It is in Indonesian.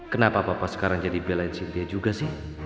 kenapa papa sekarang jadi belain sintia juga sih